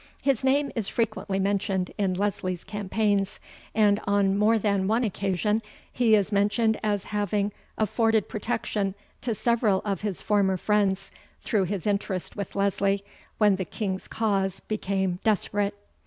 His name is frequently mentioned in Leslie's campaigns, and on more than one occasion he is mentioned as having afforded protection to several of his former friends through his interest with Leslie, when the King's cause became desperate.